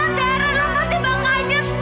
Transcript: lo pasti bakal nyesel